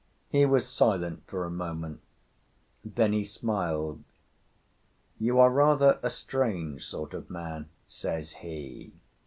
He was silent for a moment. Then he smiled. "You are rather a strange sort of man," says he.